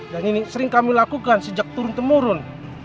dan ini sering kami lakukan sejak turun temurun